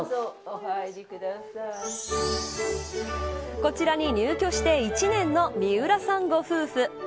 こちらに入居して１年の三浦さんご夫婦。